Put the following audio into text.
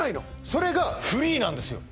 それがフリーなんですよ